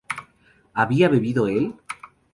¿había bebido él?